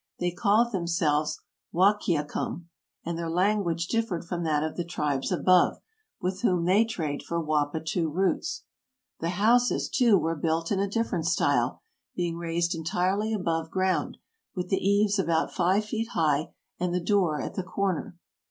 They called themselves Wahkiacum, and their language differed from that of the tribes above, with whom they trade for zvappatoo roots. The houses, too, were built in a different style, being raised entirely above ground, with the eaves about five feet high, and the door at the corner.